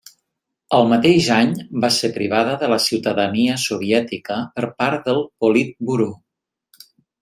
El mateix any va ser privada de la ciutadania soviètica per part del Politburó.